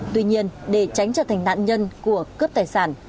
tuy nhiên để tránh trở thành nạn nhân của cướp tài sản